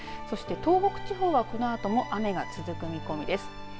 そして東北地方はこのあとも雨が続く見込みです。